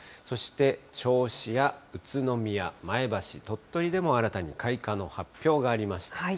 そして銚子や宇都宮、前橋、鳥取でも新たに開花の発表がありました。